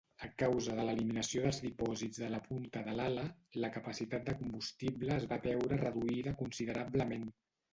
A causa de l'eliminació dels dipòsits de la punta de l'ala, la capacitat de combustible es va veure reduïda considerablement.